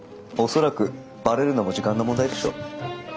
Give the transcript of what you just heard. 恐らくバレるのも時間の問題でしょう。